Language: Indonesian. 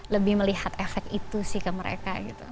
lebih melihat efek itu sih ke mereka gitu